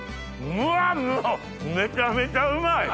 うわもうめちゃめちゃうまい！